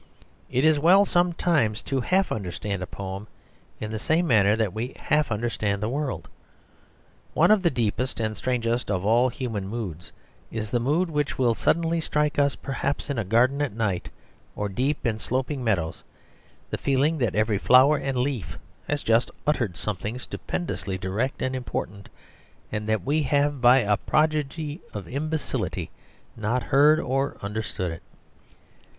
It is well sometimes to half understand a poem in the same manner that we half understand the world. One of the deepest and strangest of all human moods is the mood which will suddenly strike us perhaps in a garden at night, or deep in sloping meadows, the feeling that every flower and leaf has just uttered something stupendously direct and important, and that we have by a prodigy of imbecility not heard or understood it.